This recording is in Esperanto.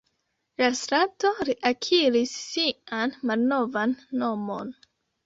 La strato reakiris sian malnovan nomon.